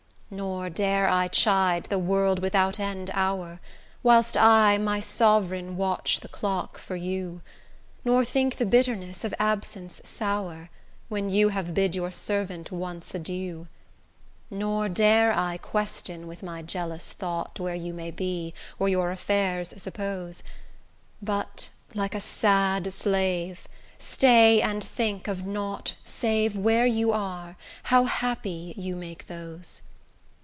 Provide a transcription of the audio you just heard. Nor dare I chide the world without end hour, Whilst I, my sovereign, watch the clock for you, Nor think the bitterness of absence sour, When you have bid your servant once adieu; Nor dare I question with my jealous thought Where you may be, or your affairs suppose, But, like a sad slave, stay and think of nought Save, where you are, how happy you make those.